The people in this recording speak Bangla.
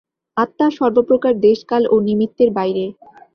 আত্মা সর্বপ্রকার দেশ কাল ও নিমিত্তের বাহিরে।